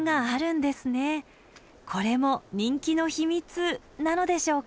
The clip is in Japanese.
これも人気の秘密なのでしょうか？